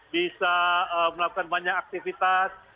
bisa melakukan banyak aktivitas